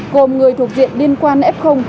gồm người thuộc diện liên quan f